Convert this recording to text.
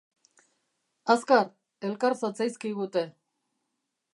Azkar, elkar zatzaizkigute.